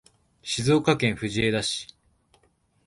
静岡県藤枝市